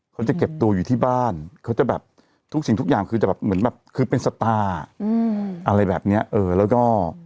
เขาจะเก็บตัวอยู่ที่บ้านเขาจะแบบทุกสิ่งทุกอย่างคือจะแบบเหมือนแบบคือเป็นสตาร์อะไรแบบเนี้ยเออแล้วก็